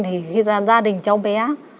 thì gia đình cháu bé